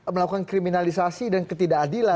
melakukan kriminalisasi dan ketidakadilan